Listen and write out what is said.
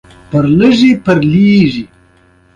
له هغه وروسته بیا نو زه کالي اغوندم.